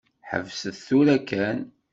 Ḥebset tura kan.